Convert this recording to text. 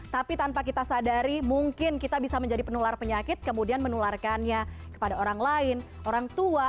tapi tanpa kita sadari mungkin kita bisa menjadi penular penyakit kemudian menularkannya kepada orang lain orang tua